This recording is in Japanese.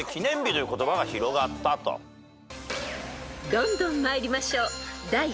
［どんどん参りましょう］